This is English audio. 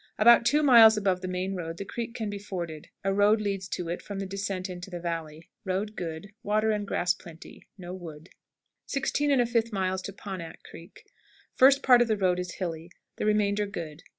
About two miles above the main road the creek can be forded; a road leads to it from the descent into the valley. Road good; water and grass plenty; no wood. 16 1/5. Paunack Creek. First part of the road is hilly; the remainder good.